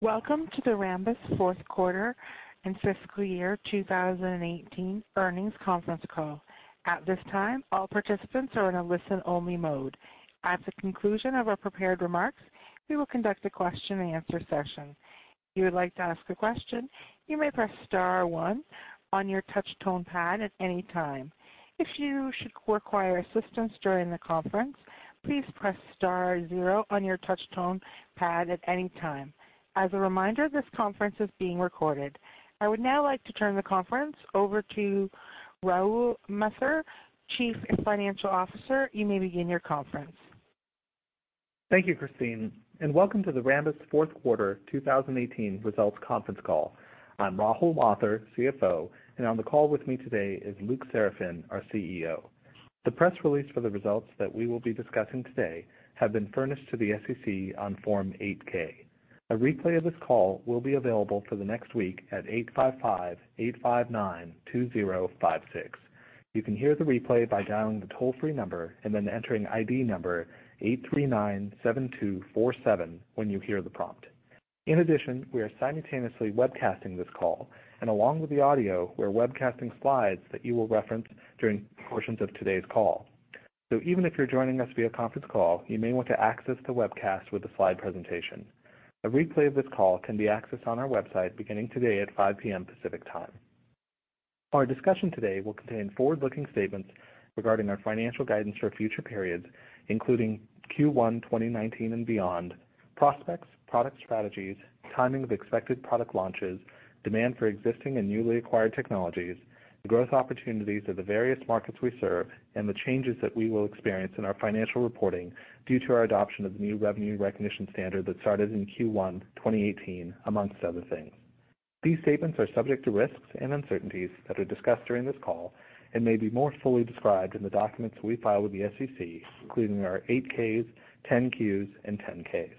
Welcome to the Rambus fourth quarter and fiscal year 2018 earnings conference call. At this time, all participants are in a listen-only mode. At the conclusion of our prepared remarks, we will conduct a question and answer session. If you would like to ask a question, you may press star one on your touchtone pad at any time. If you should require assistance during the conference, please press star zero on your touchtone pad at any time. As a reminder, this conference is being recorded. I would now like to turn the conference over to Rahul Mathur, Chief Financial Officer. You may begin your conference. Thank you, Christine, and welcome to the Rambus fourth quarter 2018 results conference call. I'm Rahul Mathur, CFO, and on the call with me today is Luc Seraphin, our CEO. The press release for the results that we will be discussing today have been furnished to the SEC on Form 8-K. A replay of this call will be available for the next week at 855-859-2056. You can hear the replay by dialing the toll-free number and then entering ID number 8397247 when you hear the prompt. In addition, we are simultaneously webcasting this call, and along with the audio, we're webcasting slides that you will reference during portions of today's call. Even if you're joining us via conference call, you may want to access the webcast with the slide presentation. A replay of this call can be accessed on our website beginning today at 5:00 P.M. Pacific Time. Our discussion today will contain forward-looking statements regarding our financial guidance for future periods, including Q1 2019 and beyond, prospects, product strategies, timing of expected product launches, demand for existing and newly acquired technologies, the growth opportunities of the various markets we serve, and the changes that we will experience in our financial reporting due to our adoption of the new revenue recognition standard that started in Q1 2018, amongst other things. These statements are subject to risks and uncertainties that are discussed during this call and may be more fully described in the documents we file with the SEC, including our 8-Ks, 10-Qs, and 10-Ks.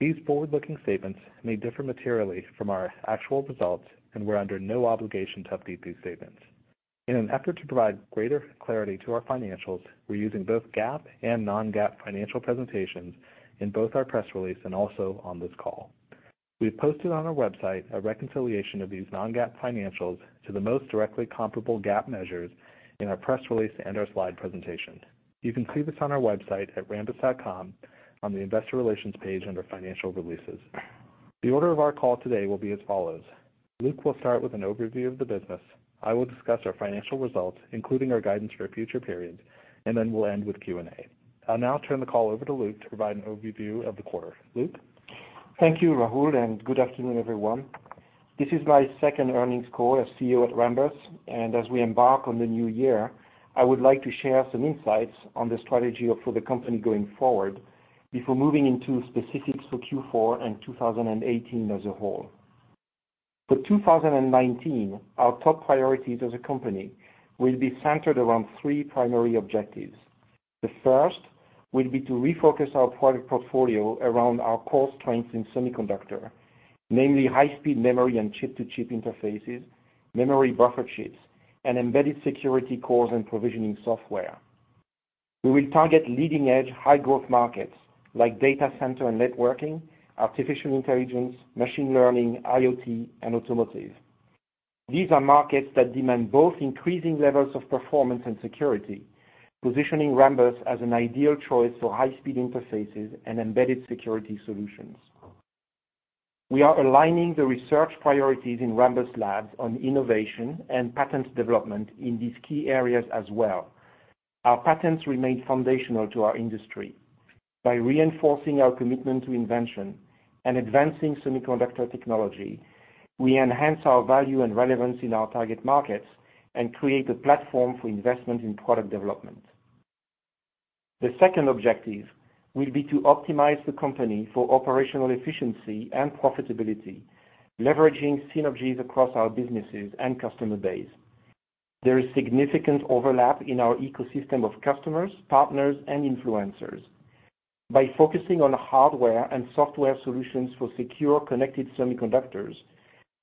These forward-looking statements may differ materially from our actual results. We're under no obligation to update these statements. In an effort to provide greater clarity to our financials, we're using both GAAP and non-GAAP financial presentations in both our press release and also on this call. We've posted on our website a reconciliation of these non-GAAP financials to the most directly comparable GAAP measures in our press release and our slide presentation. You can see this on our website at rambus.com on the Investor Relations page under Financial Releases. The order of our call today will be as follows. Luc will start with an overview of the business. I will discuss our financial results, including our guidance for future periods. We'll end with Q&A. I'll now turn the call over to Luc to provide an overview of the quarter. Luc? Thank you, Rahul, and good afternoon, everyone. This is my second earnings call as CEO at Rambus, and as we embark on the new year, I would like to share some insights on the strategy for the company going forward before moving into specifics for Q4 and 2018 as a whole. For 2019, our top priorities as a company will be centered around three primary objectives. The first will be to refocus our product portfolio around our core strengths in semiconductor, namely high-speed memory and chip-to-chip interfaces, memory buffer chips, and embedded security cores and provisioning software. We will target leading-edge high-growth markets like data center and networking, artificial intelligence, machine learning, IoT, and automotive. These are markets that demand both increasing levels of performance and security, positioning Rambus as an ideal choice for high-speed interfaces and embedded security solutions. We are aligning the research priorities in Rambus Labs on innovation and patent development in these key areas as well. Our patents remain foundational to our industry. By reinforcing our commitment to invention and advancing semiconductor technology, we enhance our value and relevance in our target markets and create a platform for investment in product development. The second objective will be to optimize the company for operational efficiency and profitability, leveraging synergies across our businesses and customer base. There is significant overlap in our ecosystem of customers, partners, and influencers. By focusing on hardware and software solutions for secure, connected semiconductors,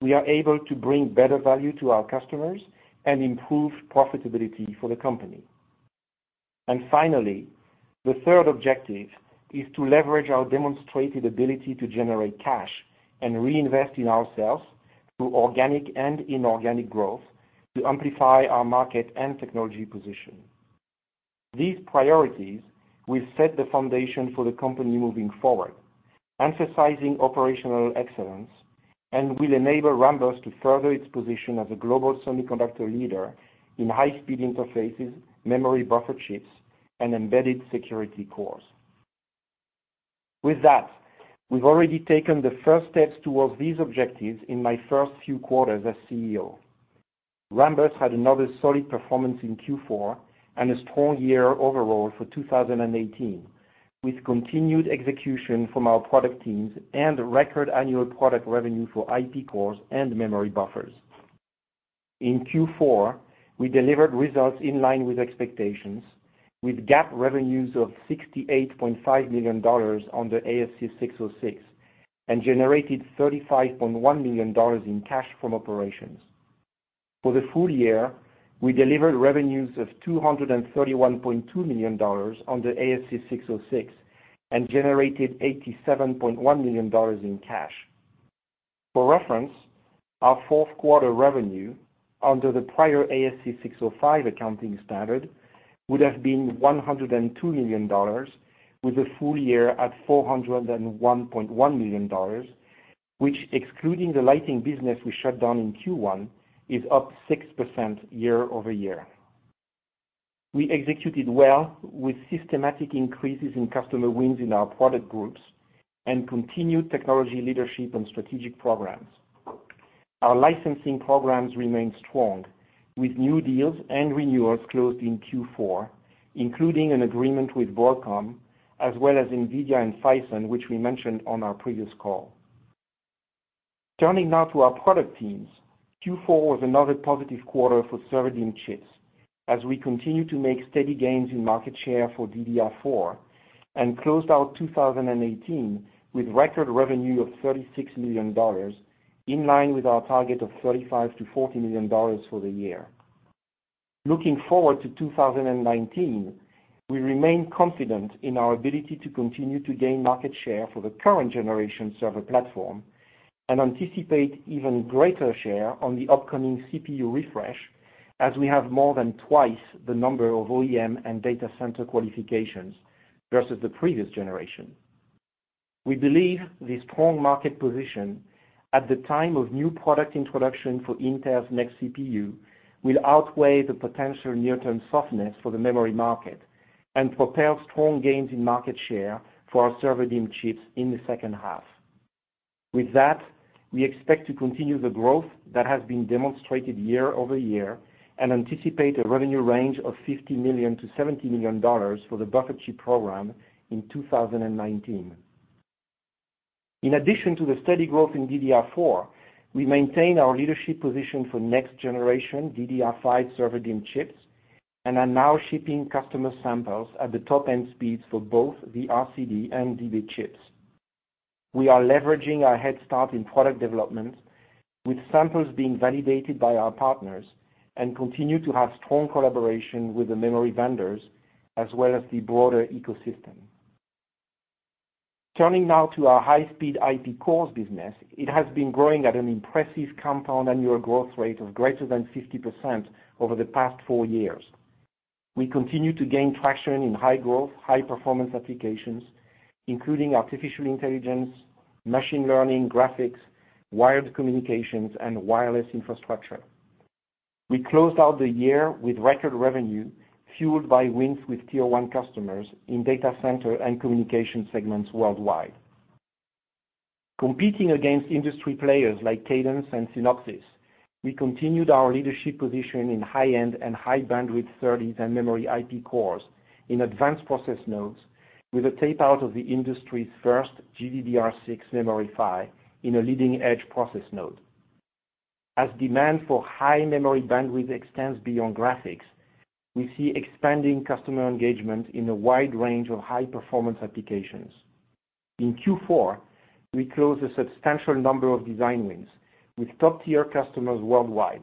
we are able to bring better value to our customers and improve profitability for the company. Finally, the third objective is to leverage our demonstrated ability to generate cash and reinvest in ourselves through organic and inorganic growth to amplify our market and technology position. These priorities will set the foundation for the company moving forward, emphasizing operational excellence and will enable Rambus to further its position as a global semiconductor leader in high-speed interfaces, memory buffer chips, and embedded security cores. With that, we've already taken the first steps towards these objectives in my first few quarters as CEO. Rambus had another solid performance in Q4 and a strong year overall for 2018, with continued execution from our product teams and record annual product revenue for IP cores and memory buffers. In Q4, we delivered results in line with expectations with GAAP revenues of $68.5 million on the ASC 606 and generated $35.1 million in cash from operations. For the full year, we delivered revenues of $231.2 million under ASC 606 and generated $87.1 million in cash. For reference, our fourth quarter revenue under the prior ASC 605 accounting standard would have been $102 million, with the full year at $401.1 million, which excluding the lighting business we shut down in Q1, is up 6% year-over-year. We executed well with systematic increases in customer wins in our product groups and continued technology leadership on strategic programs. Our licensing programs remain strong with new deals and renewals closed in Q4, including an agreement with Broadcom as well as NVIDIA and Pfizer, which we mentioned on our previous call. Turning now to our product teams, Q4 was another positive quarter for server DIMM chips as we continue to make steady gains in market share for DDR4 and closed out 2018 with record revenue of $36 million, in line with our target of $35 million-$40 million for the year. Looking forward to 2019, we remain confident in our ability to continue to gain market share for the current generation server platform and anticipate even greater share on the upcoming CPU refresh, as we have more than twice the number of OEM and data center qualifications versus the previous generation. We believe the strong market position at the time of new product introduction for Intel's next CPU will outweigh the potential near-term softness for the memory market and propel strong gains in market share for our server DIMM chips in the second half. We expect to continue the growth that has been demonstrated year-over-year and anticipate a revenue range of $50 million-$70 million for the buffer chip program in 2019. In addition to the steady growth in DDR4, we maintain our leadership position for next generation DDR5 server DIMM chips and are now shipping customer samples at the top-end speeds for both the RCD and DB chips. We are leveraging our head start in product development with samples being validated by our partners and continue to have strong collaboration with the memory vendors as well as the broader ecosystem. Turning now to our high-speed IP cores business, it has been growing at an impressive compound annual growth rate of greater than 50% over the past four years. We continue to gain traction in high-growth, high-performance applications, including artificial intelligence, machine learning, graphics, wired communications, and wireless infrastructure. We closed out the year with record revenue fueled by wins with tier one customers in data center and communication segments worldwide. Competing against industry players like Cadence and Synopsys, we continued our leadership position in high-end and high-bandwidth SerDes and memory IP cores in advanced process nodes with a tapeout of the industry's first GDDR6 memory PHY in a leading-edge process node. Demand for high memory bandwidth extends beyond graphics, we see expanding customer engagement in a wide range of high-performance applications. In Q4, we closed a substantial number of design wins with top-tier customers worldwide,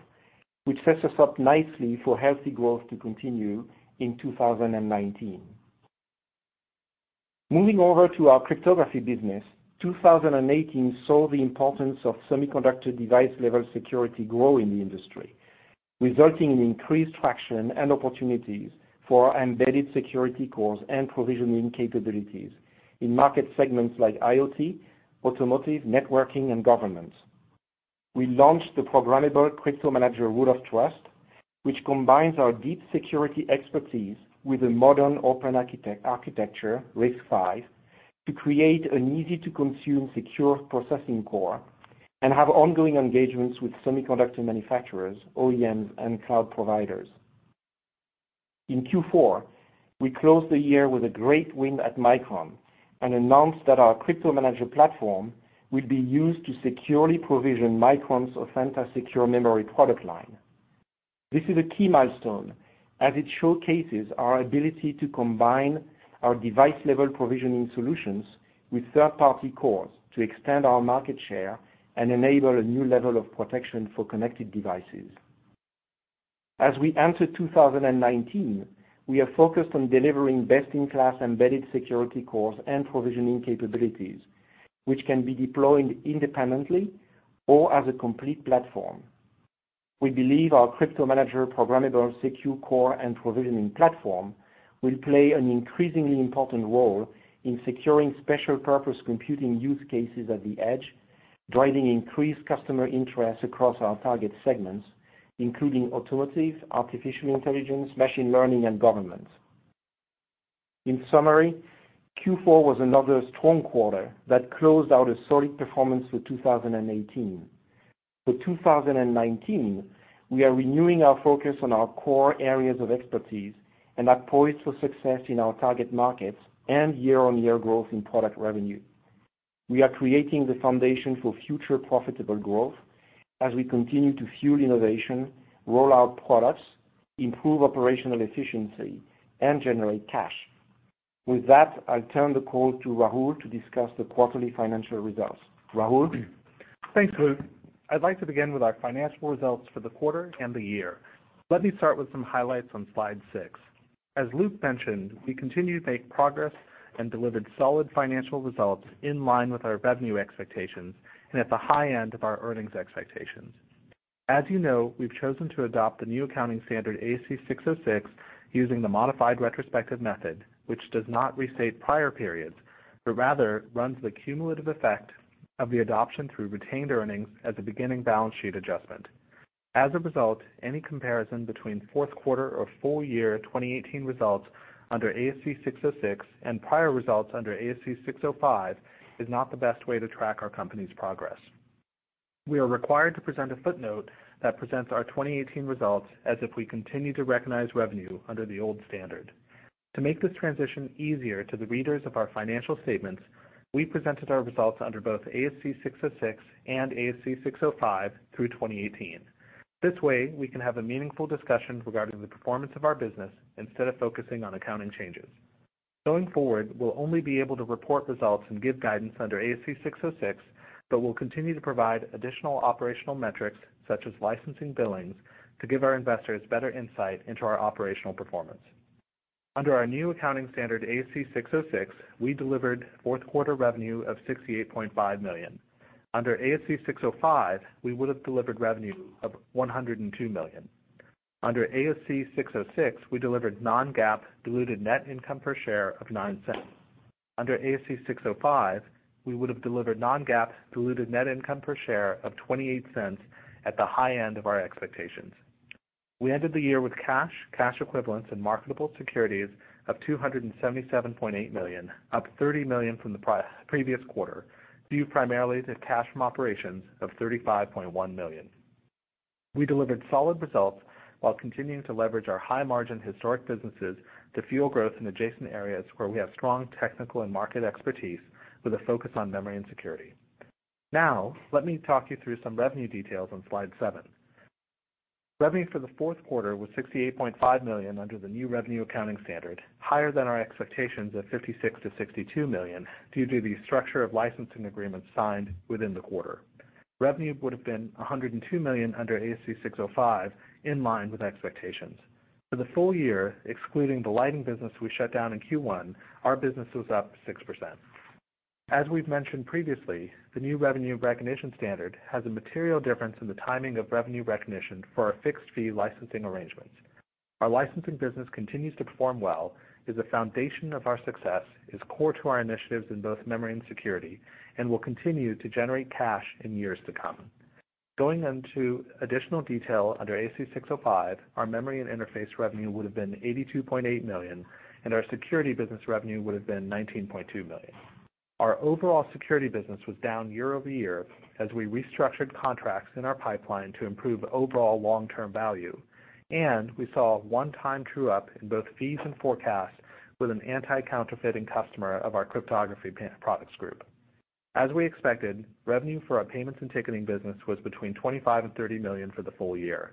which sets us up nicely for healthy growth to continue in 2019. Moving over to our cryptography business, 2018 saw the importance of semiconductor device-level security grow in the industry, resulting in increased traction and opportunities for our embedded security cores and provisioning capabilities in market segments like IoT, automotive, networking, and government. We launched the programmable CryptoManager Root of Trust, which combines our deep security expertise with a modern open architecture, RISC-V, to create an easy-to-consume secure processing core and have ongoing engagements with semiconductor manufacturers, OEMs, and cloud providers. In Q4, we closed the year with a great win at Micron and announced that our CryptoManager platform will be used to securely provision Micron's Authenta secure memory product line. This is a key milestone as it showcases our ability to combine our device-level provisioning solutions with third-party cores to extend our market share and enable a new level of protection for connected devices. We enter 2019, we are focused on delivering best-in-class embedded security cores and provisioning capabilities, which can be deployed independently or as a complete platform. We believe our CryptoManager programmable secure core and provisioning platform will play an increasingly important role in securing special purpose computing use cases at the edge, driving increased customer interest across our target segments, including automotive, artificial intelligence, machine learning, and government. In summary, Q4 was another strong quarter that closed out a solid performance for 2018. For 2019, we are renewing our focus on our core areas of expertise and are poised for success in our target markets and year-on-year growth in product revenue. We are creating the foundation for future profitable growth as we continue to fuel innovation, roll out products, improve operational efficiency, and generate cash. With that, I'll turn the call to Rahul to discuss the quarterly financial results. Rahul? Thanks, Luc. I'd like to begin with our financial results for the quarter and the year. Let me start with some highlights on slide six. As Luc mentioned, we continue to make progress and delivered solid financial results in line with our revenue expectations and at the high end of our earnings expectations. As you know, we've chosen to adopt the new accounting standard, ASC 606, using the modified retrospective method, which does not restate prior periods, but rather runs the cumulative effect of the adoption through retained earnings as a beginning balance sheet adjustment. As a result, any comparison between fourth quarter or full year 2018 results under ASC 606 and prior results under ASC 605 is not the best way to track our company's progress. We are required to present a footnote that presents our 2018 results as if we continue to recognize revenue under the old standard. To make this transition easier to the readers of our financial statements, we presented our results under both ASC 606 and ASC 605 through 2018. This way, we can have a meaningful discussion regarding the performance of our business instead of focusing on accounting changes. Going forward, we'll only be able to report results and give guidance under ASC 606, but we'll continue to provide additional operational metrics, such as licensing billings, to give our investors better insight into our operational performance. Under our new accounting standard, ASC 606, we delivered fourth quarter revenue of $68.5 million. Under ASC 605, we would have delivered revenue of $102 million. Under ASC 606, we delivered non-GAAP diluted net income per share of $0.09. Under ASC 605, we would have delivered non-GAAP diluted net income per share of $0.28 at the high end of our expectations. We ended the year with cash equivalents, and marketable securities of $277.8 million, up $30 million from the previous quarter, due primarily to cash from operations of $35.1 million. We delivered solid results while continuing to leverage our high-margin historic businesses to fuel growth in adjacent areas where we have strong technical and market expertise with a focus on memory and security. Now, let me talk you through some revenue details on slide seven. Revenue for the fourth quarter was $68.5 million under the new revenue accounting standard, higher than our expectations of $56 million-$62 million due to the structure of licensing agreements signed within the quarter. Revenue would have been $102 million under ASC 605, in line with expectations. For the full year, excluding the lighting business we shut down in Q1, our business was up 6%. As we've mentioned previously, the new revenue recognition standard has a material difference in the timing of revenue recognition for our fixed-fee licensing arrangements. Our licensing business continues to perform well, is a foundation of our success, is core to our initiatives in both memory and security, and will continue to generate cash in years to come. Going into additional detail under ASC 605, our memory and interface revenue would have been $82.8 million, and our security business revenue would have been $19.2 million. Our overall security business was down year-over-year as we restructured contracts in our pipeline to improve overall long-term value, and we saw a one-time true-up in both fees and forecast with an anti-counterfeiting customer of our cryptography products group. As we expected, revenue for our payments and ticketing business was between $25 million and $30 million for the full year.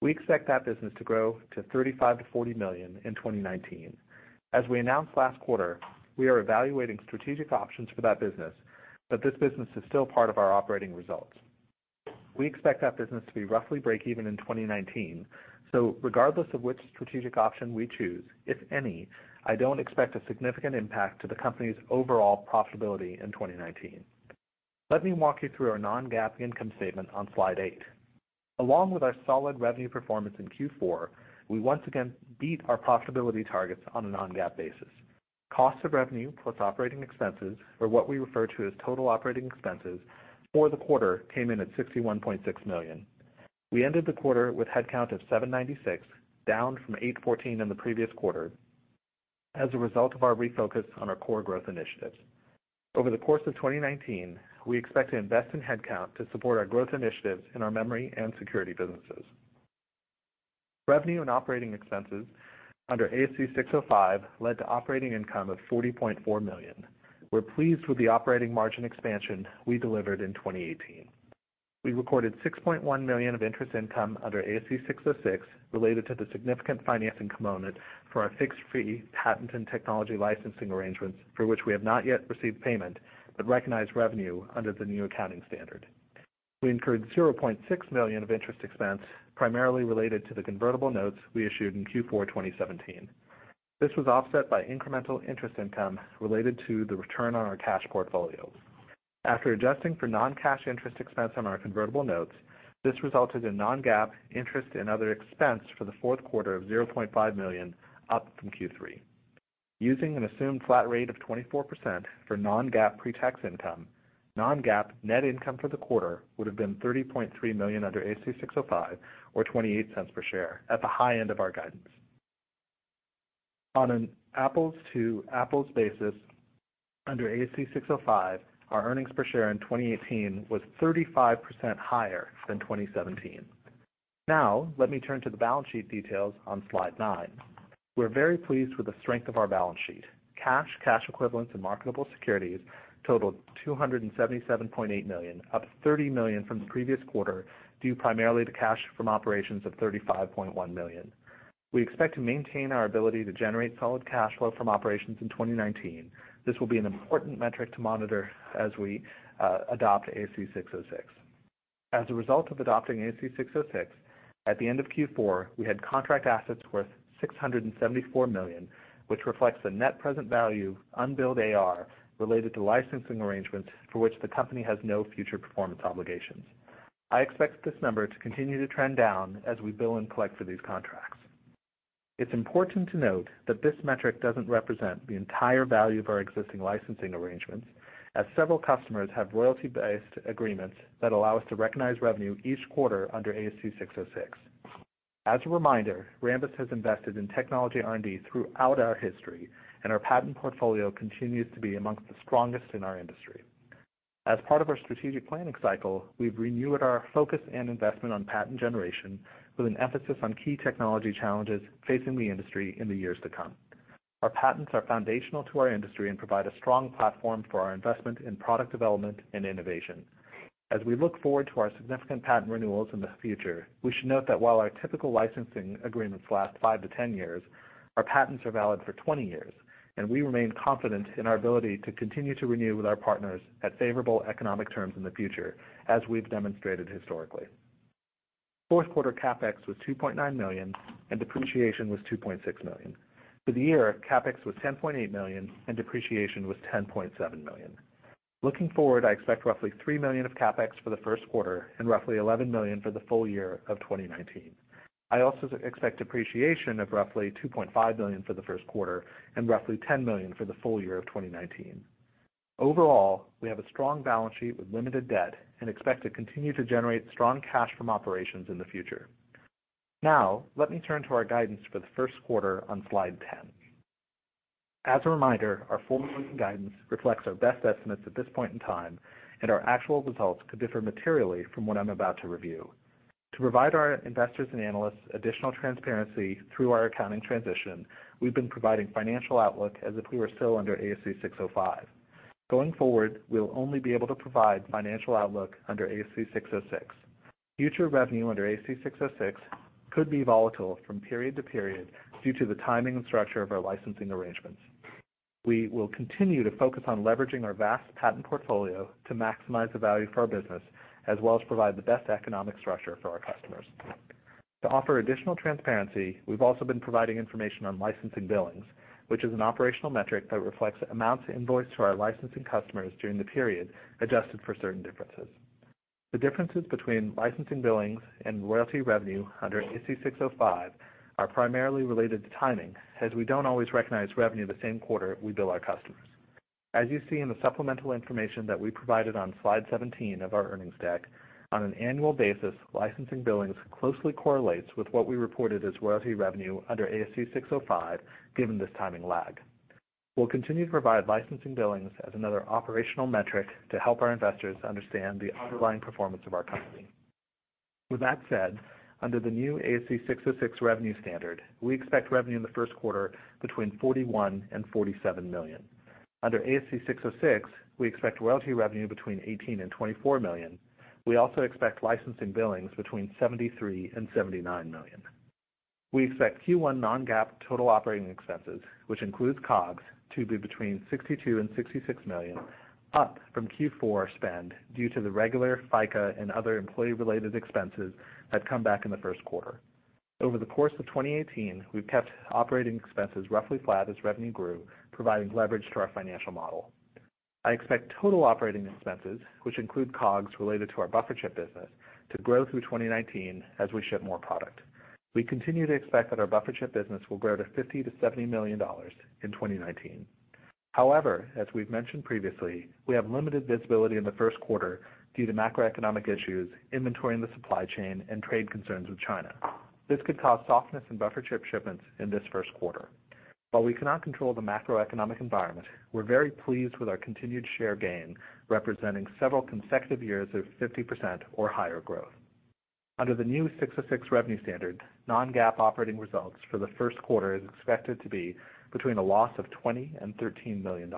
We expect that business to grow to $35 million to $40 million in 2019. As we announced last quarter, we are evaluating strategic options for that business, but this business is still part of our operating results. Regardless of which strategic option we choose, if any, I don't expect a significant impact to the company's overall profitability in 2019. Let me walk you through our non-GAAP income statement on slide eight. Along with our solid revenue performance in Q4, we once again beat our profitability targets on a non-GAAP basis. Cost of revenue plus operating expenses, or what we refer to as total operating expenses for the quarter, came in at $61.6 million. We ended the quarter with headcount of 796, down from 814 in the previous quarter as a result of our refocus on our core growth initiatives. Over the course of 2019, we expect to invest in headcount to support our growth initiatives in our memory and security businesses. Revenue and operating expenses under ASC 605 led to operating income of $40.4 million. We're pleased with the operating margin expansion we delivered in 2018. We recorded $6.1 million of interest income under ASC 606 related to the significant financing component for our fixed-fee patent and technology licensing arrangements, for which we have not yet received payment but recognized revenue under the new accounting standard. We incurred $0.6 million of interest expense primarily related to the convertible notes we issued in Q4 2017. This was offset by incremental interest income related to the return on our cash portfolios. After adjusting for non-cash interest expense on our convertible notes, this resulted in non-GAAP interest and other expense for the fourth quarter of $0.5 million, up from Q3. Using an assumed flat rate of 24% for non-GAAP pretax income, non-GAAP net income for the quarter would have been $30.3 million under ASC 605, or $0.28 per share at the high end of our guidance. On an apples-to-apples basis under ASC 605, our earnings per share in 2018 was 35% higher than 2017. Let me turn to the balance sheet details on slide nine. We're very pleased with the strength of our balance sheet. Cash, cash equivalents, and marketable securities totaled $277.8 million, up $30 million from the previous quarter, due primarily to cash from operations of $35.1 million. We expect to maintain our ability to generate solid cash flow from operations in 2019. This will be an important metric to monitor as we adopt ASC 606. As a result of adopting ASC 606, at the end of Q4, we had contract assets worth $674 million, which reflects the net present value unbilled AR related to licensing arrangements for which the company has no future performance obligations. I expect this number to continue to trend down as we bill and collect for these contracts. It's important to note that this metric doesn't represent the entire value of our existing licensing arrangements, as several customers have royalty-based agreements that allow us to recognize revenue each quarter under ASC 606. As a reminder, Rambus has invested in technology R&D throughout our history, and our patent portfolio continues to be amongst the strongest in our industry. As part of our strategic planning cycle, we've renewed our focus and investment on patent generation with an emphasis on key technology challenges facing the industry in the years to come. Our patents are foundational to our industry and provide a strong platform for our investment in product development and innovation. As we look forward to our significant patent renewals in the future, we should note that while our typical licensing agreements last five to 10 years, our patents are valid for 20 years, and we remain confident in our ability to continue to renew with our partners at favorable economic terms in the future, as we've demonstrated historically. Fourth quarter CapEx was $2.9 million, and depreciation was $2.6 million. For the year, CapEx was $10.8 million, and depreciation was $10.7 million. Looking forward, I expect roughly $3 million of CapEx for the first quarter and roughly $11 million for the full year of 2019. I also expect depreciation of roughly $2.5 million for the first quarter and roughly $10 million for the full year of 2019. Overall, we have a strong balance sheet with limited debt and expect to continue to generate strong cash from operations in the future. Let me turn to our guidance for the first quarter on slide 10. As a reminder, our forward-looking guidance reflects our best estimates at this point in time, and our actual results could differ materially from what I'm about to review. To provide our investors and analysts additional transparency through our accounting transition, we've been providing financial outlook as if we were still under ASC 605. Going forward, we'll only be able to provide financial outlook under ASC 606. Future revenue under ASC 606 could be volatile from period to period due to the timing and structure of our licensing arrangements. We will continue to focus on leveraging our vast patent portfolio to maximize the value for our business, as well as provide the best economic structure for our customers. To offer additional transparency, we've also been providing information on licensing billings, which is an operational metric that reflects amounts invoiced to our licensing customers during the period, adjusted for certain differences. The differences between licensing billings and royalty revenue under ASC 605 are primarily related to timing, as we don't always recognize revenue the same quarter we bill our customers. As you see in the supplemental information that we provided on slide 17 of our earnings deck, on an annual basis, licensing billings closely correlates with what we reported as royalty revenue under ASC 605, given this timing lag. We'll continue to provide licensing billings as another operational metric to help our investors understand the underlying performance of our company. With that said, under the new ASC 606 revenue standard, we expect revenue in the first quarter between $41 million and $47 million. Under ASC 606, we expect royalty revenue between $18 million and $24 million. We also expect licensing billings between $73 million and $79 million. We expect Q1 non-GAAP total operating expenses, which includes COGS, to be between $62 million and $66 million, up from Q4 spend due to the regular FICA and other employee-related expenses that come back in the first quarter. Over the course of 2018, we've kept operating expenses roughly flat as revenue grew, providing leverage to our financial model. I expect total operating expenses, which include COGS related to our buffer chip business, to grow through 2019 as we ship more product. We continue to expect that our buffer chip business will grow to $50 million-$70 million in 2019. As we've mentioned previously, we have limited visibility in the first quarter due to macroeconomic issues, inventory in the supply chain, and trade concerns with China. This could cause softness in buffer chip shipments in this first quarter. While we cannot control the macroeconomic environment, we're very pleased with our continued share gain, representing several consecutive years of 50% or higher growth. Under the new ASC 606 revenue standard, non-GAAP operating results for the first quarter is expected to be between a loss of $20 million and $13 million.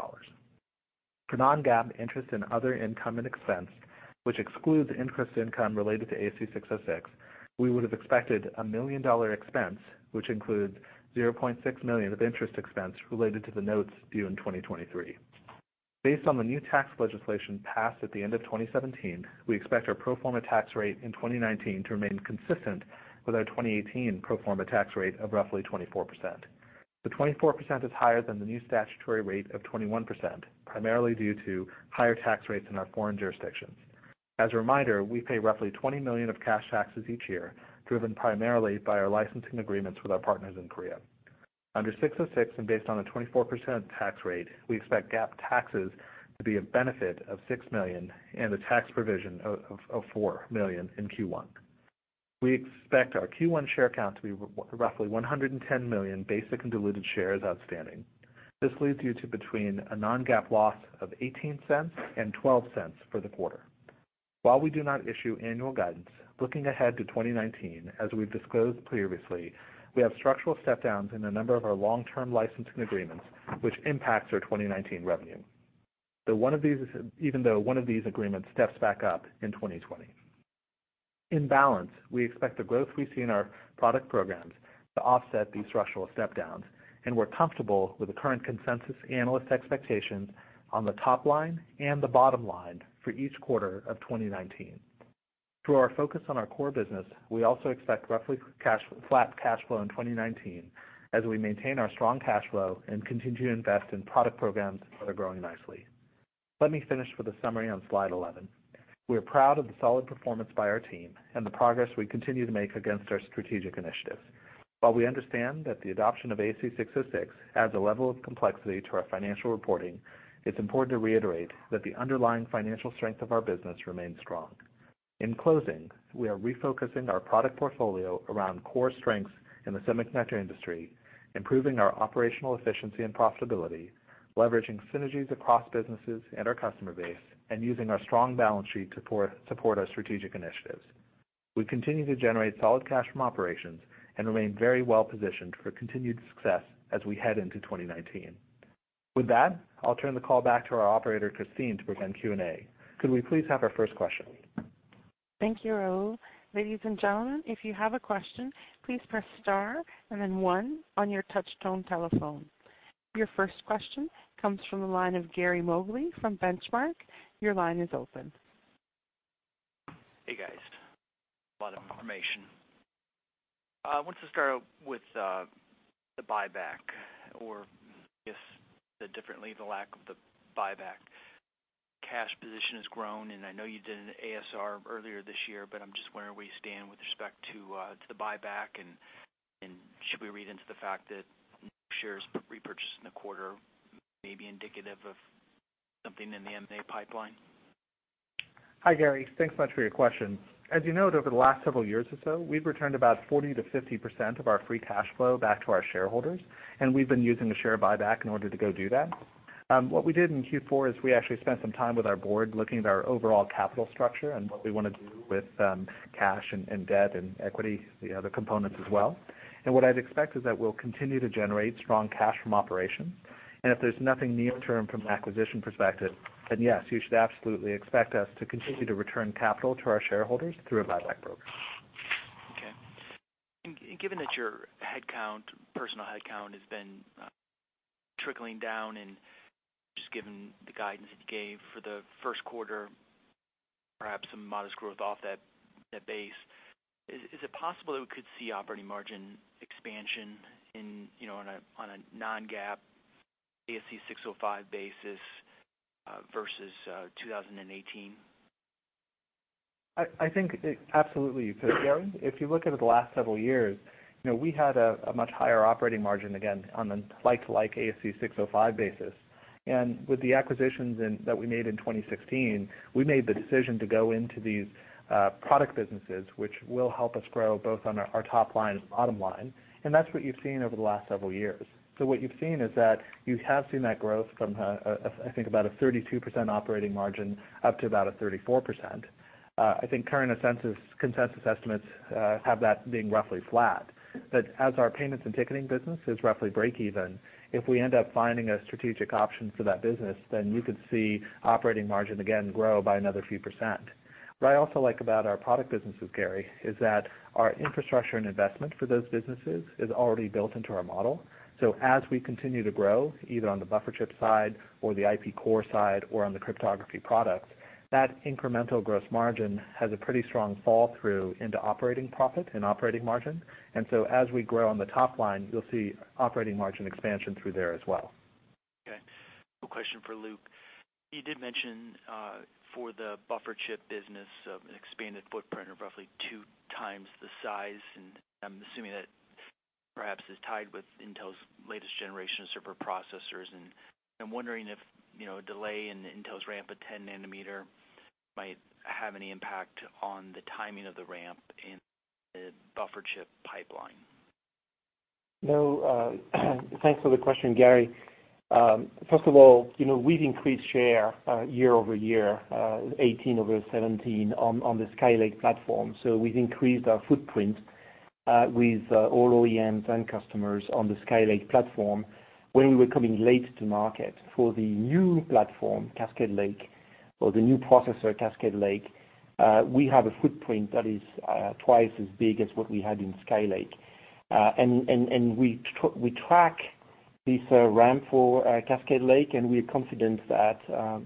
For non-GAAP interest and other income and expense, which excludes interest income related to ASC 606, we would have expected a $1 million expense, which includes $0.6 million of interest expense related to the notes due in 2023. Based on the new tax legislation passed at the end of 2017, we expect our pro forma tax rate in 2019 to remain consistent with our 2018 pro forma tax rate of roughly 24%. The 24% is higher than the new statutory rate of 21%, primarily due to higher tax rates in our foreign jurisdictions. As a reminder, we pay roughly $20 million of cash taxes each year, driven primarily by our licensing agreements with our partners in Korea. Under ASC 606 and based on a 24% tax rate, we expect GAAP taxes to be a benefit of $6 million and a tax provision of $4 million in Q1. We expect our Q1 share count to be roughly 110 million basic and diluted shares outstanding. This leads you to between a non-GAAP loss of $0.18 and $0.12 for the quarter. We do not issue annual guidance, looking ahead to 2019, as we've disclosed previously, we have structural step downs in a number of our long-term licensing agreements, which impacts our 2019 revenue. Even though one of these agreements steps back up in 2020. In balance, we expect the growth we see in our product programs to offset these structural step downs, and we're comfortable with the current consensus analyst expectations on the top line and the bottom line for each quarter of 2019. Through our focus on our core business, we also expect roughly flat cash flow in 2019 as we maintain our strong cash flow and continue to invest in product programs that are growing nicely. Let me finish with a summary on slide 11. We are proud of the solid performance by our team and the progress we continue to make against our strategic initiatives. While we understand that the adoption of ASC 606 adds a level of complexity to our financial reporting, it's important to reiterate that the underlying financial strength of our business remains strong. In closing, we are refocusing our product portfolio around core strengths in the semiconductor industry, improving our operational efficiency and profitability, leveraging synergies across businesses and our customer base, and using our strong balance sheet to support our strategic initiatives. We continue to generate solid cash from operations and remain very well-positioned for continued success as we head into 2019. With that, I'll turn the call back to our operator, Christine, to begin Q&A. Could we please have our first question? Thank you, Rahul. Ladies and gentlemen, if you have a question, please press star and then one on your touch tone telephone. Your first question comes from the line of Gary Mobley from Benchmark. Your line is open. Hey, guys. A lot of information. I want to start out with the buyback, or I guess, differently, the lack of the buyback. Cash position has grown. I know you did an ASR earlier this year. I'm just wondering where you stand with respect to the buyback and should we read into the fact that no shares repurchased in the quarter may be indicative of something in the M&A pipeline? Hi, Gary. Thanks so much for your question. As you noted, over the last several years or so, we've returned about 40%-50% of our free cash flow back to our shareholders, and we've been using the share buyback in order to go do that. What we did in Q4 is we actually spent some time with our board looking at our overall capital structure and what we want to do with cash and debt and equity, the other components as well. What I'd expect is that we'll continue to generate strong cash from operations. If there's nothing near term from an acquisition perspective, then yes, you should absolutely expect us to continue to return capital to our shareholders through a buyback program. Okay. Given that your headcount, personal headcount, has been trickling down and just given the guidance that you gave for the first quarter, perhaps some modest growth off that base, is it possible that we could see operating margin expansion in a non-GAAP ASC 605 basis versus 2018? I think absolutely you could, Gary. If you look at it the last several years, we had a much higher operating margin, again, on a like-to-like ASC 605 basis. With the acquisitions in that we made in 2016, we made the decision to go into these product businesses, which will help us grow both on our top line and bottom line, and that's what you've seen over the last several years. What you've seen is that you have seen that growth from, I think about a 32% operating margin up to about a 34%. I think current consensus estimates have that being roughly flat. As our payments and ticketing business is roughly break even, if we end up finding a strategic option for that business, then you could see operating margin again grow by another few percent. What I also like about our product businesses, Gary, is that our infrastructure and investment for those businesses is already built into our model. As we continue to grow, either on the buffer chip side or the IP core side or on the cryptography products, that incremental gross margin has a pretty strong fall through into operating profit and operating margin. As we grow on the top line, you'll see operating margin expansion through there as well. Okay, a question for Luc. You did mention, for the buffer chip business, an expanded footprint or roughly two times the size, and I'm assuming that perhaps is tied with Intel's latest generation of server processors. I'm wondering if a delay in Intel's ramp at 10 nanometer might have any impact on the timing of the ramp in the buffer chip pipeline. No. Thanks for the question, Gary. First of all, we've increased share year-over-year, 2018 over 2017, on the Skylake platform. We've increased our footprint, with all OEMs and customers on the Skylake platform when we were coming late to market. For the new platform, Cascade Lake, or the new processor, Cascade Lake, we have a footprint that is twice as big as what we had in Skylake. We track this ramp for Cascade Lake, and we are confident that,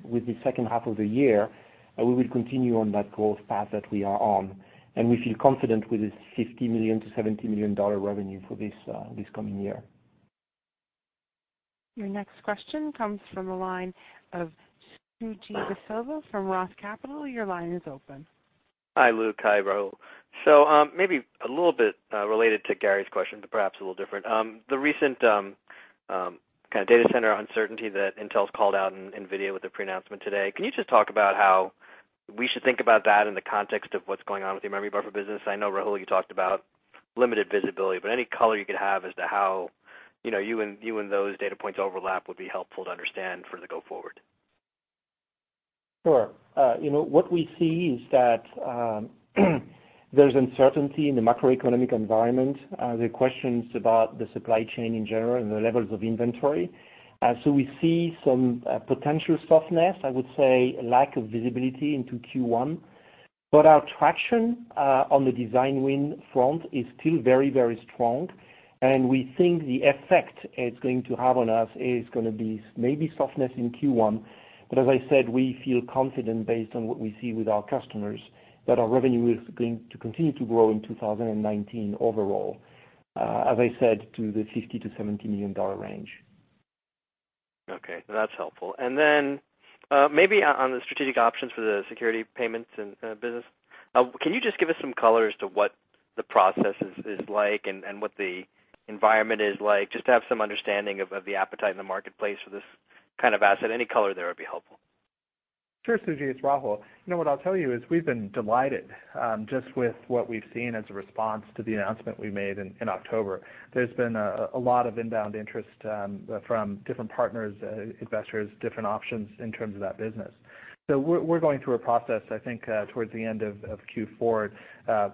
with the second half of the year, we will continue on that growth path that we are on, and we feel confident with this $50 million-$70 million revenue for this coming year. Your next question comes from the line of Suji De Silva from Roth Capital. Your line is open. Hi, Luc. Hi, Rahul. Maybe a little bit related to Gary's question, but perhaps a little different. The recent kind of data center uncertainty that Intel's called out NVIDIA with their pre-announcement today, can you just talk about how we should think about that in the context of what's going on with your memory buffer business? I know, Rahul, you talked about limited visibility, any color you could have as to how you and those data points overlap would be helpful to understand for the go forward. Sure. What we see is that there's uncertainty in the macroeconomic environment. There are questions about the supply chain in general and the levels of inventory. We see some potential softness, I would say, a lack of visibility into Q1. Our traction on the design win front is still very strong. We think the effect it's going to have on us is going to be maybe softness in Q1. As I said, we feel confident based on what we see with our customers, that our revenue is going to continue to grow in 2019 overall, as I said, to the $50 million-$70 million range. Okay. That's helpful. Maybe on the strategic options for the security payments and business, can you just give us some color as to what the process is like and what the environment is like, just to have some understanding of the appetite in the marketplace for this kind of asset? Any color there would be helpful. Sure, Suji. It's Rahul. What I'll tell you is we've been delighted just with what we've seen as a response to the announcement we made in October. There's been a lot of inbound interest from different partners, investors, different options in terms of that business. We're going through a process, I think towards the end of Q4,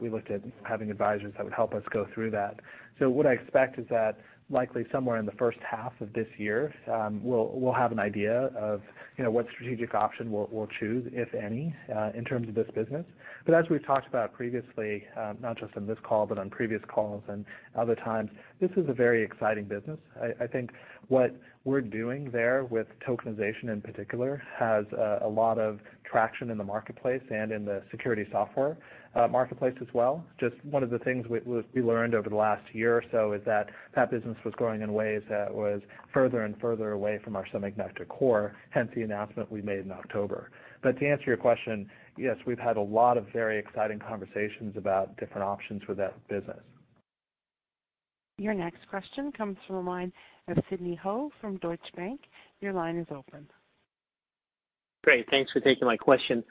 we looked at having advisors that would help us go through that. What I expect is that likely somewhere in the first half of this year, we'll have an idea of what strategic option we'll choose, if any, in terms of this business. As we've talked about previously, not just on this call, but on previous calls and other times, this is a very exciting business. I think what we're doing there with tokenization, in particular, has a lot of traction in the marketplace and in the security software marketplace as well. Just one of the things we learned over the last year or so is that that business was growing in ways that was further and further away from our semiconductor core, hence the announcement we made in October. To answer your question, yes, we've had a lot of very exciting conversations about different options for that business. Your next question comes from the line of Sidney Ho from Deutsche Bank. Your line is open. Great. Thanks for taking my question.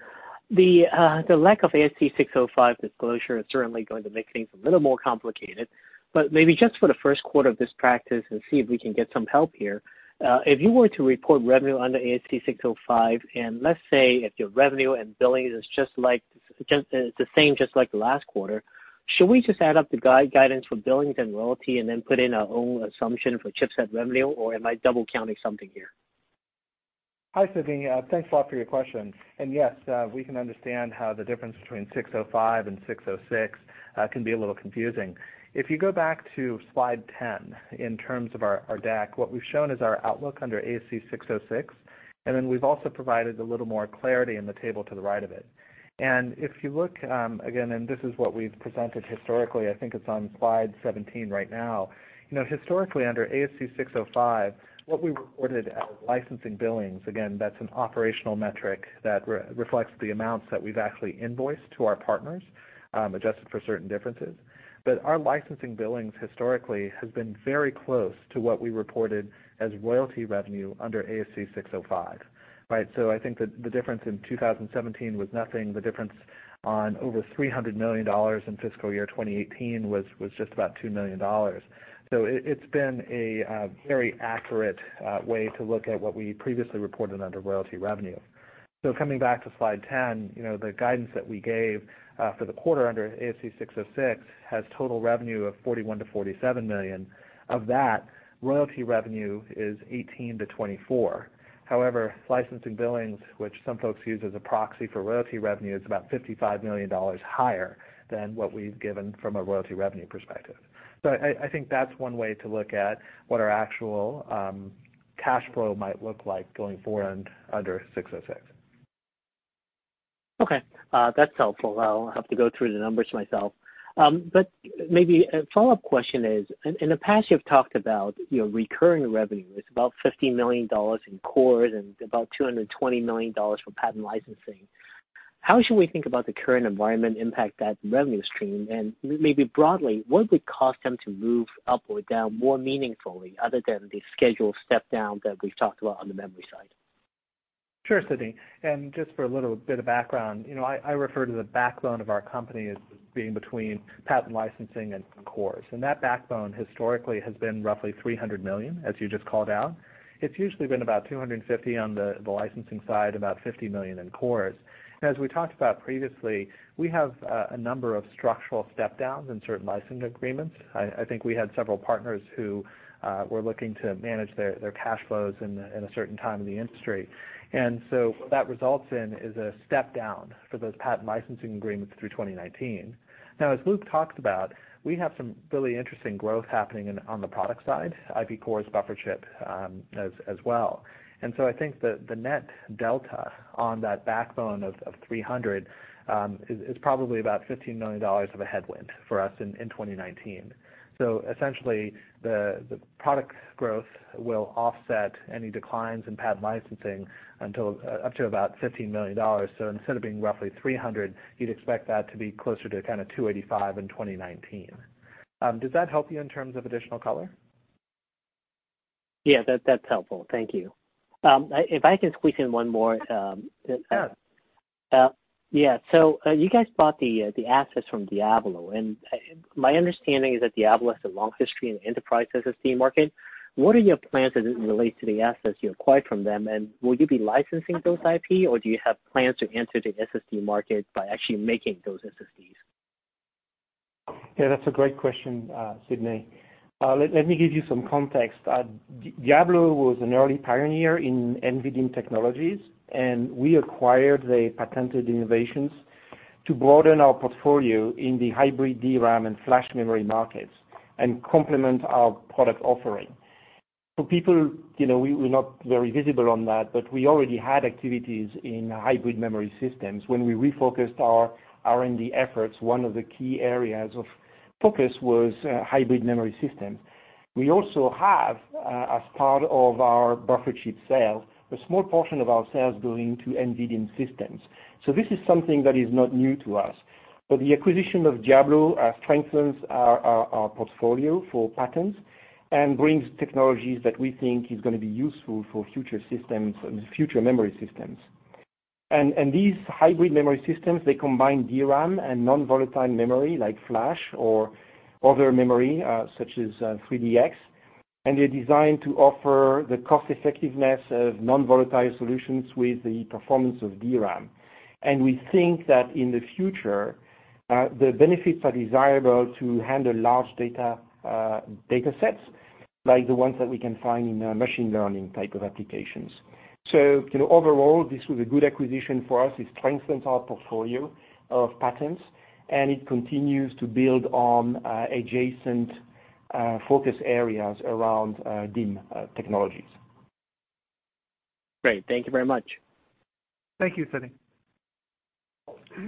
The lack of ASC 605 disclosure is certainly going to make things a little more complicated, but maybe just for the first quarter of this practice, and see if we can get some help here. If you were to report revenue under ASC 605, and let's say if your revenue and billings is the same just like last quarter, should we just add up the guidance for billings and royalty and then put in our own assumption for chipset revenue? Or am I double counting something here? Hi, Sidney. Thanks a lot for your question. Yes, we can understand how the difference between ASC 605 and ASC 606 can be a little confusing. If you go back to slide 10 in terms of our deck, what we've shown is our outlook under ASC 606, and then we've also provided a little more clarity in the table to the right of it. If you look, again, and this is what we've presented historically, I think it's on slide 17 right now. Historically under ASC 605, what we reported as licensing billings, again, that's an operational metric that reflects the amounts that we've actually invoiced to our partners, adjusted for certain differences. Our licensing billings historically has been very close to what we reported as royalty revenue under ASC 605. I think that the difference in 2017 was nothing. The difference on over $300 million in fiscal year 2018 was just about $2 million. It's been a very accurate way to look at what we previously reported under royalty revenue. Coming back to slide 10, the guidance that we gave for the quarter under ASC 606 has total revenue of $41 million-$47 million. Of that, royalty revenue is $18 million-$24 million. However, licensing billings, which some folks use as a proxy for royalty revenue, is about $55 million higher than what we've given from a royalty revenue perspective. I think that's one way to look at what our actual cash flow might look like going forward under ASC 606. Okay. That's helpful. I'll have to go through the numbers myself. Maybe a follow-up question is, in the past, you've talked about recurring revenue. It's about $50 million in cores and about $220 million for patent licensing. How should we think about the current environment impact that revenue stream? Maybe broadly, what would cause them to move up or down more meaningfully other than the scheduled step down that we've talked about on the memory side? Sure, Sidney. Just for a little bit of background, I refer to the backbone of our company as being between patent licensing and cores. That backbone historically has been roughly $300 million, as you just called out. It's usually been about $250 million on the licensing side, about $50 million in cores. As we talked about previously, we have a number of structural step downs in certain license agreements. I think we had several partners who were looking to manage their cash flows in a certain time in the industry. What that results in is a step down for those patent licensing agreements through 2019. As Luc talked about, we have some really interesting growth happening on the product side, IP cores, buffer chip as well. I think the net delta on that backbone of $300 million is probably about $15 million of a headwind for us in 2019. Essentially, the product growth will offset any declines in patent licensing up to about $15 million. Instead of being roughly $300 million, you'd expect that to be closer to kind of $285 million in 2019. Does that help you in terms of additional color? That's helpful. Thank you. If I can squeeze in one more. Yeah. You guys bought the assets from Diablo, and my understanding is that Diablo has a long history in the enterprise SSD market. What are your plans as it relates to the assets you acquired from them, and will you be licensing those IP, or do you have plans to enter the SSD market by actually making those SSDs? Yeah, that's a great question, Sidney. Let me give you some context. Diablo was an early pioneer in NVDIMM technologies, and we acquired the patented innovations to broaden our portfolio in the hybrid DRAM and flash memory markets and complement our product offering. For people, we're not very visible on that, but we already had activities in hybrid memory systems. When we refocused our R&D efforts, one of the key areas of focus was hybrid memory systems. We also have, as part of our buffer chip sales, a small portion of our sales going to NVDIMM systems. This is something that is not new to us. The acquisition of Diablo strengthens our portfolio for patents and brings technologies that we think is going to be useful for future memory systems. These hybrid memory systems, they combine DRAM and non-volatile memory like flash or other memory, such as 3DX. They're designed to offer the cost-effectiveness of non-volatile solutions with the performance of DRAM. We think that in the future, the benefits are desirable to handle large data sets like the ones that we can find in machine learning type of applications. Overall, this was a good acquisition for us. It strengthens our portfolio of patents, and it continues to build on adjacent focus areas around DIMM technologies. Great. Thank you very much. Thank you, Sidney.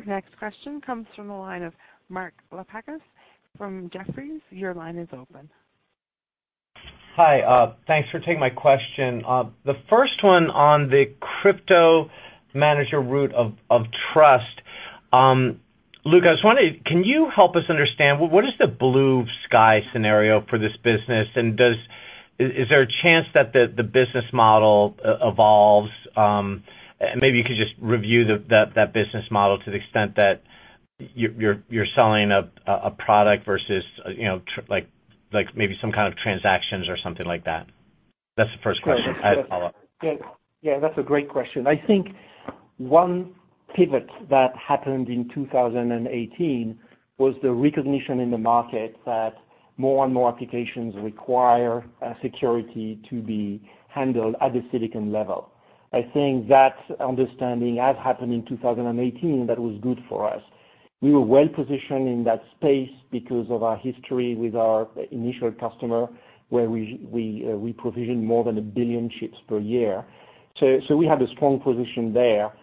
Next question comes from the line of Mark Lipacis from Jefferies. Your line is open. Hi. Thanks for taking my question. The first one on the CryptoManager Root of Trust. Luc, can you help us understand what is the blue sky scenario for this business, and is there a chance that the business model evolves? Maybe you could just review that business model to the extent that you're selling a product versus maybe some kind of transactions or something like that. That's the first question. I have a follow-up. Yeah, that's a great question. I think one pivot that happened in 2018 was the recognition in the market that more and more applications require security to be handled at the silicon level. I think that understanding has happened in 2018, that was good for us. We were well-positioned in that space because of our history with our initial customer, where we provision more than a billion chips per year. We have a strong position there.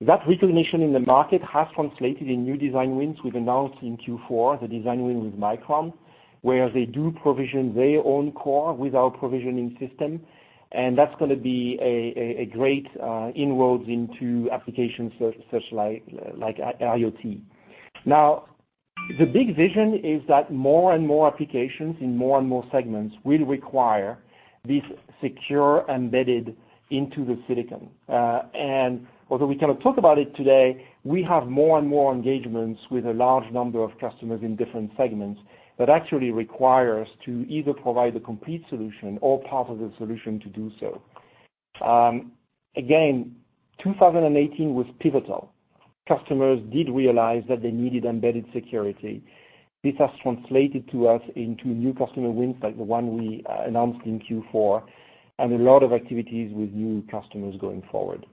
That recognition in the market has translated in new design wins. We've announced in Q4 the design win with Micron, where they do provision their own core with our provisioning system, and that's going to be a great inroads into applications such like IoT. The big vision is that more and more applications in more and more segments will require this secure embedded into the silicon. Although we cannot talk about it today, we have more and more engagements with a large number of customers in different segments that actually require us to either provide a complete solution or part of the solution to do so. Again, 2018 was pivotal. Customers did realize that they needed embedded security. This has translated to us into new customer wins like the one we announced in Q4, and a lot of activities with new customers going forward.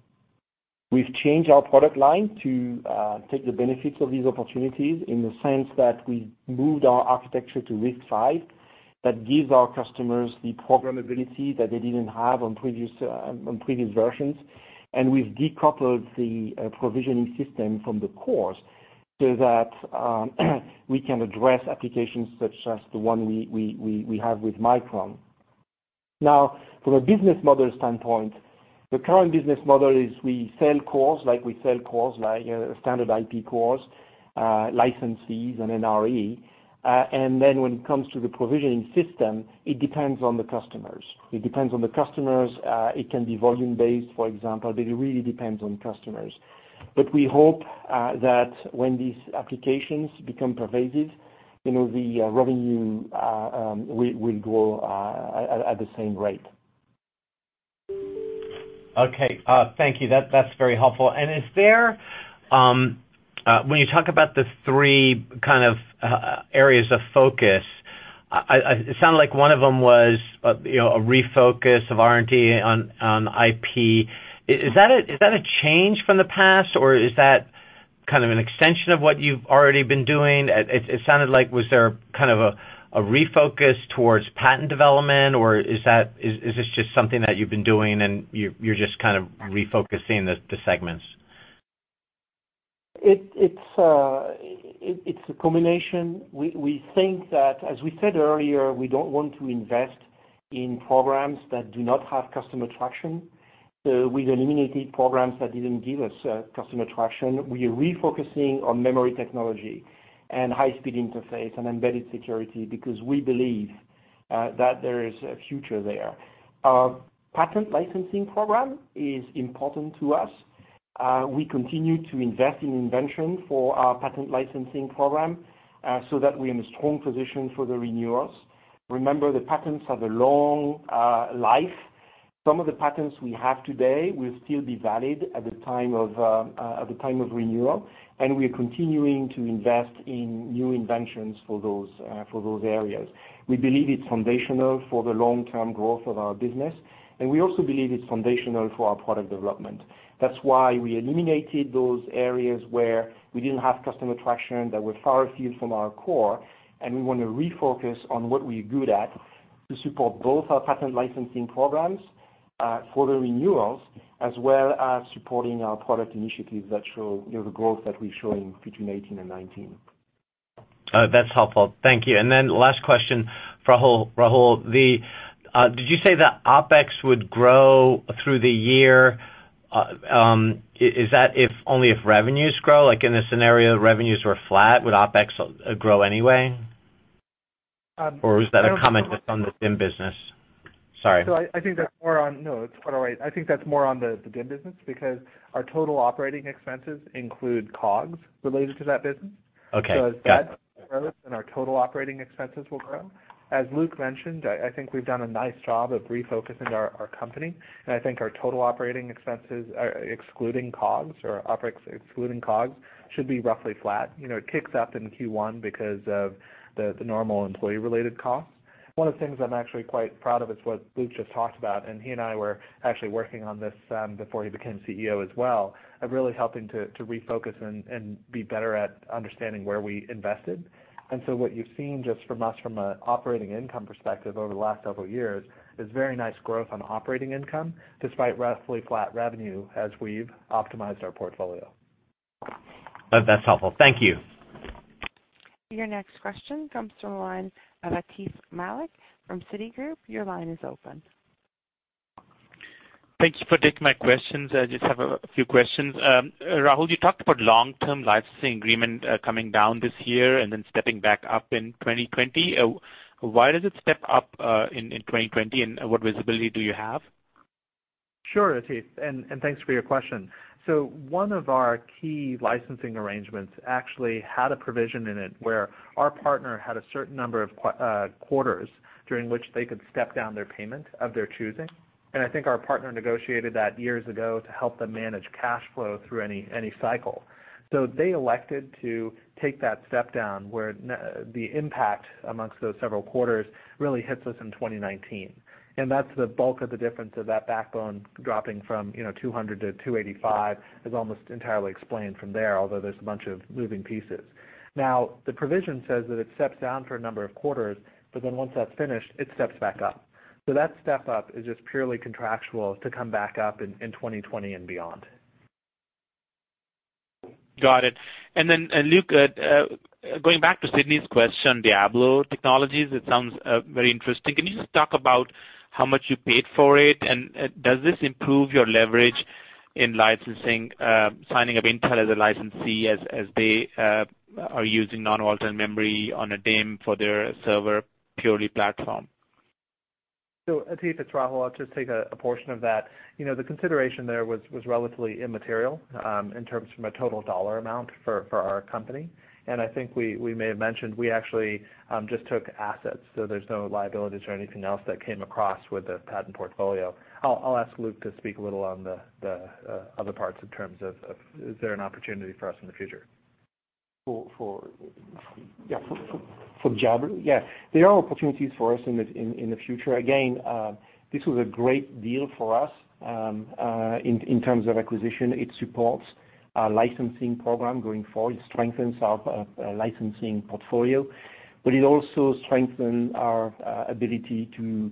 We've changed our product line to take the benefits of these opportunities in the sense that we moved our architecture to RISC-V. That gives our customers the programmability that they didn't have on previous versions. We've decoupled the provisioning system from the course so that we can address applications such as the one we have with Micron. From a business model standpoint, the current business model is we sell cores, like standard IP cores, licensees and NRE. When it comes to the provisioning system, it depends on the customers. It can be volume-based, for example, but it really depends on customers. We hope that when these applications become pervasive, the revenue will grow at the same rate. Okay. Thank you. That's very helpful. When you talk about the three kind of areas of focus, it sounded like one of them was a refocus of R&D on IP. Is that a change from the past, or is that kind of an extension of what you've already been doing? It sounded like, was there kind of a refocus towards patent development, or is this just something that you've been doing and you're just kind of refocusing the segments? It's a combination. We think that, as we said earlier, we don't want to invest in programs that do not have customer traction. We've eliminated programs that didn't give us customer traction. We are refocusing on memory technology and high-speed interface and embedded security because we believe that there is a future there. Our patent licensing program is important to us. We continue to invest in invention for our patent licensing program so that we're in a strong position for the renewals. Remember, the patents have a long life. Some of the patents we have today will still be valid at the time of renewal. We are continuing to invest in new inventions for those areas. We believe it's foundational for the long-term growth of our business. We also believe it's foundational for our product development. That's why we eliminated those areas where we didn't have customer traction, that were far afield from our core, and we want to refocus on what we're good at to support both our patent licensing programs for the renewals as well as supporting our product initiatives that show the growth that we've shown between 2018 and 2019. That's helpful. Thank you. Last question for Rahul. Did you say that OpEx would grow through the year? Is that only if revenues grow? Like in a scenario, revenues were flat, would OpEx grow anyway? Or was that a comment just on the DIMM business? Sorry. No, it's quite all right. I think that's more on the DIMM business because our total operating expenses include COGS related to that business. Okay, got it. As that grows, then our total operating expenses will grow. As Luc mentioned, I think we've done a nice job of refocusing our company, and I think our total operating expenses, excluding COGS or OpEx excluding COGS, should be roughly flat. It kicks up in Q1 because of the normal employee-related costs. One of the things I'm actually quite proud of is what Luc just talked about, and he and I were actually working on this before he became CEO as well, of really helping to refocus and be better at understanding where we invested. What you've seen just from us from an operating income perspective over the last several years is very nice growth on operating income despite roughly flat revenue as we've optimized our portfolio. That's helpful. Thank you. Your next question comes from the line of Atif Malik from Citigroup. Your line is open. Thank you for taking my questions. I just have a few questions. Rahul, you talked about long-term licensing agreement coming down this year and then stepping back up in 2020. Why does it step up in 2020, and what visibility do you have? Sure, Atif, thanks for your question. One of our key licensing arrangements actually had a provision in it where our partner had a certain number of quarters during which they could step down their payment of their choosing. I think our partner negotiated that years ago to help them manage cash flow through any cycle. They elected to take that step-down where the impact amongst those several quarters really hits us in 2019. That's the bulk of the difference of that backbone dropping from $200-$285 is almost entirely explained from there although there's a bunch of moving pieces. The provision says that it steps down for a number of quarters, but then once that's finished, it steps back up. That step up is just purely contractual to come back up in 2020 and beyond. Got it. Luc, going back to Sidney's question, Diablo Technologies, it sounds very interesting. Can you just talk about how much you paid for it? Does this improve your leverage in licensing, signing up Intel as a licensee as they are using non-volatile memory on a DIMM for their server purely platform? Atif, it's Rahul. I'll just take a portion of that. The consideration there was relatively immaterial in terms from a total dollar amount for our company. I think we may have mentioned we actually just took assets, so there's no liabilities or anything else that came across with the patent portfolio. I'll ask Luc to speak a little on the other parts in terms of, is there an opportunity for us in the future. For Diablo? Yeah. There are opportunities for us in the future. This was a great deal for us in terms of acquisition. It supports our licensing program going forward. It strengthens our licensing portfolio, but it also strengthened our ability to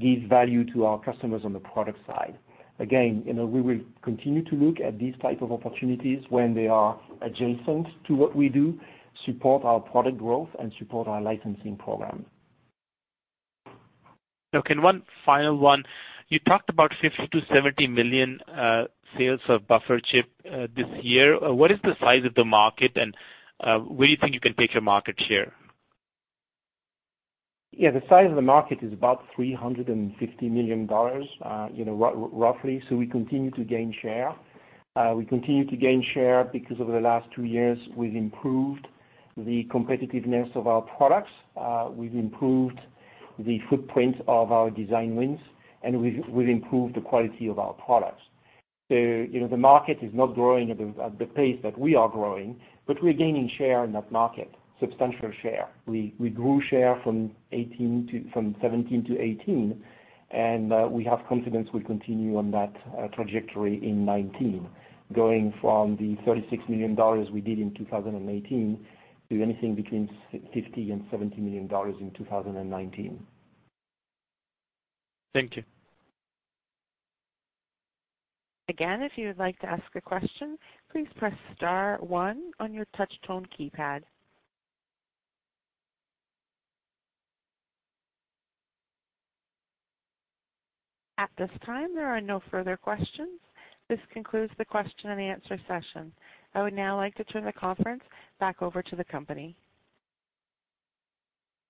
give value to our customers on the product side. We will continue to look at these type of opportunities when they are adjacent to what we do, support our product growth, and support our licensing program. Okay, one final one. You talked about $50 million-$70 million sales of buffer chip this year. What is the size of the market, and where do you think you can take your market share? The size of the market is about $350 million, roughly. We continue to gain share. We continue to gain share because over the last two years, we've improved the competitiveness of our products. We've improved the footprint of our design wins, and we've improved the quality of our products. The market is not growing at the pace that we are growing, but we're gaining share in that market, substantial share. We grew share from 2017 to 2018, and we have confidence we'll continue on that trajectory in 2019, going from the $36 million we did in 2018 to anything between $50 million and $70 million in 2019. Thank you. Again, if you would like to ask a question, please press star one on your touch tone keypad. At this time, there are no further questions. This concludes the question and answer session. I would now like to turn the conference back over to the company.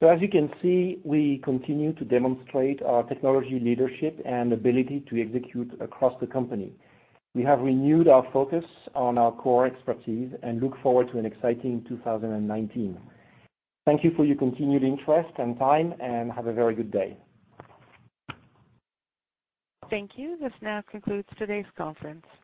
As you can see, we continue to demonstrate our technology leadership and ability to execute across the company. We have renewed our focus on our core expertise and look forward to an exciting 2019. Thank you for your continued interest and time, and have a very good day. Thank you. This now concludes today's conference.